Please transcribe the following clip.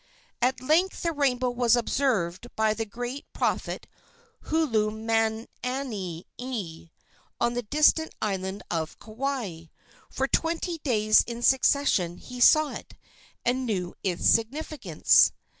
At length the rainbow was observed by the great prophet Hulumaniani on the distant island of Kauai. For twenty days in succession he saw it, and knew its significance.